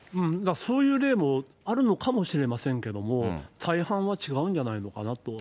そういう例もあるのかもしれませんけれども、大半は違うんじゃないのかなと。